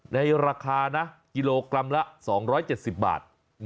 ในราคานะกิโลกรัมละ๒๗๐บาท